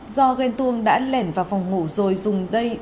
do ghen tuông đã lẻn vào phòng ngủ rồi dùng đây